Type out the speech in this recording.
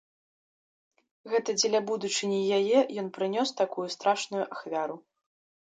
Гэта дзеля будучыні яе ён прынёс такую страшную ахвяру.